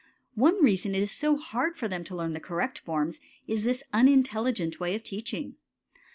One reason it is so hard for them to learn the correct forms is this unintelligent way of teaching.